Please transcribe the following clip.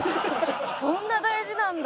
そんな大事なんだ